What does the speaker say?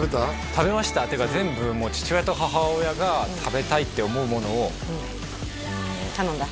食べましたっていうか全部父親と母親が食べたいって思うものを頼んだ？